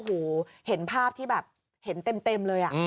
การนอนไม่จำเป็นต้องมีอะไรกัน